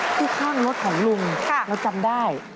ที่ผ้านรถของลุงเราจำได้